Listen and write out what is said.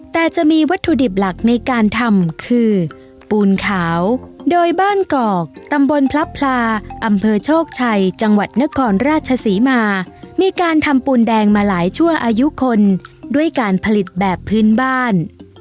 แต่จะมีวัตถุดิบหลักในการทำคือปูนขาวโดยบ้านกอกตำบลพลับพลาอำเภอโชคชัยจังหวัดนครราชศรีมามีการทำปูนแดงมาหลายชั่วอายุคนด้วยการผลิตแบบพื้นบ้าน